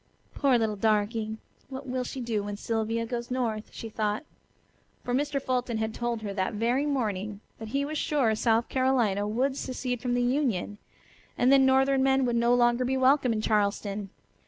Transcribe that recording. "Poor little darky! What will she do when Sylvia goes north?" she thought. For Mr. Fulton had told her that very morning that he was sure South Carolina would secede from the Union, and then northern men would no longer be welcome in Charleston.